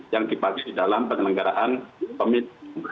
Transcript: yang dipaksa dalam penelenggaraan pemilu